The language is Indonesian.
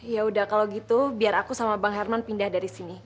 ya udah kalau gitu biar aku sama bang herman pindah dari sini